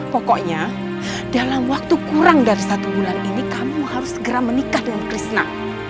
pokoknya dalam waktu kurang dari satu bulan ini kamu harus segera menikah dengan krisna